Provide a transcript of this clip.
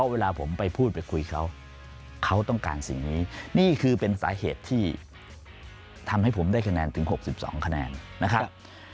เวลาผมไปพูดไปคุยเขาเขาต้องการสิ่งนี้นี่คือเป็นสาเหตุที่ทำให้ผมได้คะแนนถึง๖๒คะแนนนะครับ